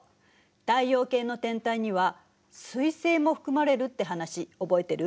太陽系の天体には彗星も含まれるって話覚えてる？